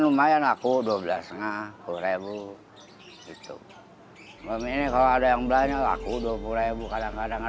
lumayan aku dua belas itu belum ini kalau ada yang belanja aku dua puluh kadang kadang